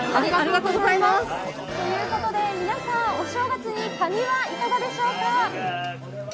ということで皆さんお正月にカニはいかがでしょうか。